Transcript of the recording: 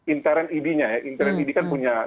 internal id nya ya internal id kan punya